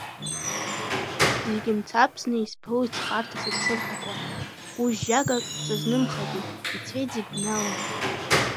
Зегьы мцабзны исԥылоит схарҭа сыԥсырҭақәа, гәыжьжьагак сызнымхаӡеит, ицеит зегь бналан.